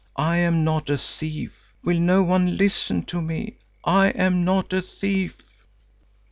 I am not a thief. Will no one listen to me. I am not a thief."